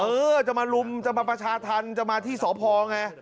เออจะมาลุมจะมาประชาธรรมจะมาที่สพไง